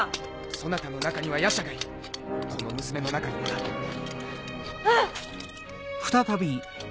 そなたの中には夜叉がいるこの娘の中にもだ。あっ⁉